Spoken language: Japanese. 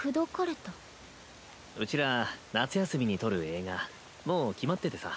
うちら夏休みに撮る映画もう決まっててさ。